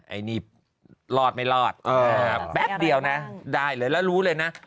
อันนี้รอดไม่รอดแป๊บเดียวนะได้เลยแล้วรู้เลยนะ